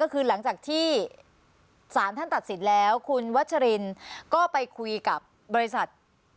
ก็คือหลังจากที่สารท่านตัดสินแล้วคุณวัชรินก็ไปคุยกับบริษัท